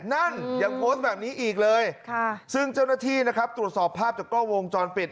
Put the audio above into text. นั่นยังโพสต์แบบนี้อีกเลยซึ่งเจ้าหน้าที่นะครับตรวจสอบภาพจากกล้องวงจรปิด